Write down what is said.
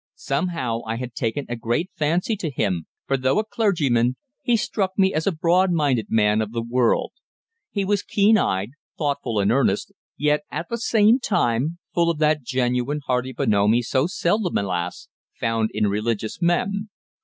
Somehow I had taken a great fancy to him, for though a clergyman, he struck me as a broad minded man of the world. He was keen eyed, thoughtful and earnest, yet at the same time full of that genuine, hearty bonhomie so seldom, alas! found in religious men.